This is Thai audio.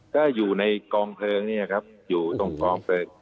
ก็อยู่ในกองเผลิงนี่ครับอยู่ตรงกองเติร์ก